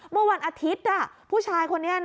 เมื่อวันอาทิตย์ผู้ชายคนนี้